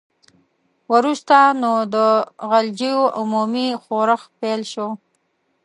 وروسته نو د غلجیو عمومي ښورښ پیل شو.